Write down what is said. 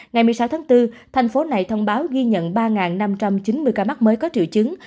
ngày một mươi sáu tháng bốn thành phố này thông báo ghi nhận ba năm trăm chín mươi ca mắc mới có triệu chứng